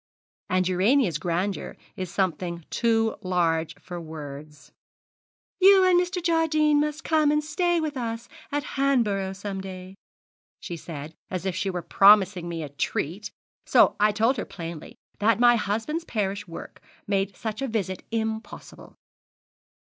And Urania's grandeur is something too large for words. "You and Mr. Jardine must come and stay with us at Hanborough some day," she said, as if she were promising me a treat; so I told her plainly that my husband's parish work made such a visit impossible.